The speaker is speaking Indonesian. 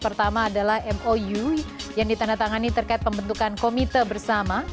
pertama adalah mou yang ditandatangani terkait pembentukan komite bersama